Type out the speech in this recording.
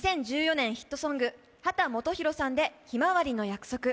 ２０１４年ヒットソング、秦基博さんで「ひまわりの約束」。